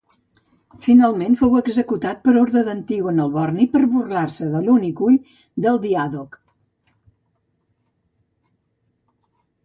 Finalment fou executat per orde d'Antígon el Borni per burlar-se de l'únic ull del diàdoc.